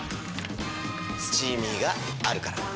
「スチーミー」があるから。